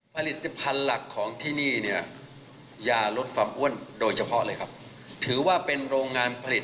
ผลิตภัณฑ์หลักของที่นี่เนี่ยยาลดความอ้วนโดยเฉพาะเลยครับถือว่าเป็นโรงงานผลิต